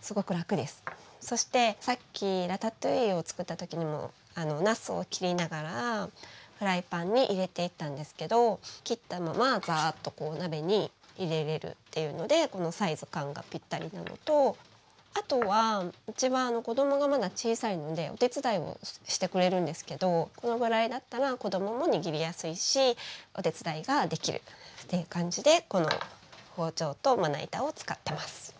そしてさっきラタトゥイユを作った時にもなすを切りながらフライパンに入れていったんですけど切ったままザーッとこう鍋に入れれるっていうのでこのサイズ感がぴったりなのとあとはうちは子どもがまだ小さいのでお手伝いをしてくれるんですけどこのぐらいだったら子どもも握りやすいしお手伝いができるっていう感じでこの包丁とまな板を使ってます。